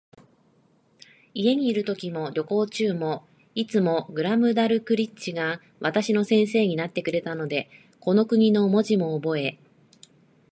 家にいるときも、旅行中も、いつもグラムダルクリッチが私の先生になってくれたので、この国の文字もおぼえ、